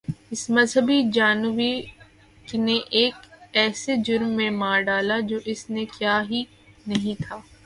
اسے مذہبی جنونیوں نے ایک ایسے جرم میں مار ڈالا جو اس نے کیا ہی نہیں تھا۔